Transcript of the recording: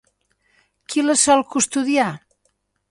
Qui la sol custodiar?